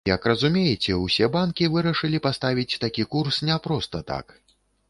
Як разумееце, усе банкі вырашылі паставіць такі курс не проста так.